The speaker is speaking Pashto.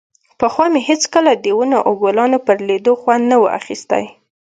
پخوا مې هېڅکله د ونو او ګلانو پر ليدو خوند نه و اخيستى.